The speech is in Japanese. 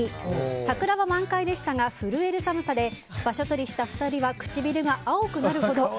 桜は満開でしたが震える寒さで場所取りした２人は唇が青くなるほど。